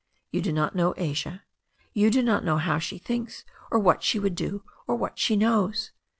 You do not know Asia. You do not know how she thinks or what she would do, or what she knows.